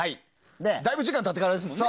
だいぶ時間が経ってからですものね。